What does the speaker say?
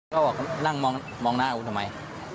เขาบอกนั่งมองหน้ากูทำไม